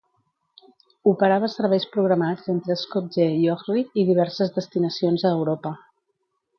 Operava serveis programats entre Skopje i Ohrid i diverses destinacions a Europa.